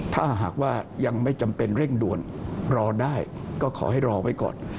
ถ้าหากว่ายังไม่จำเป็นเร่งด่วนรอได้ก็ขอให้รอไว้ก่อน